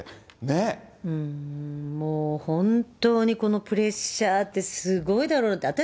もう本当にこのプレッシャーって、すごいだろうなって。